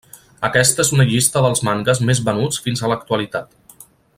Aquesta és una llista dels mangues més venuts fins a l'actualitat.